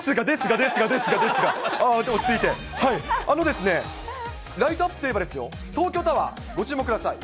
あのですね、ライトアップといえばですよ、東京タワー、ご注目ください。